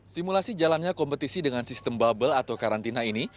simulasi jalannya kompetisi dengan sistem bubble atau karantina ini